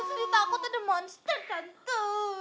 ah tante sedih takut ada monster tante